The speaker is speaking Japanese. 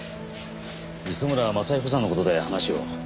磯村正彦さんの事で話を。